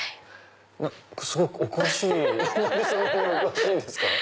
すごくお詳しい何でそんなにお詳しいんですか？